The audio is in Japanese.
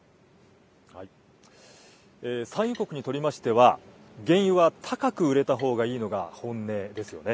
産油国にとりましては、原油は高く売れたほうがいいのが本音ですよね。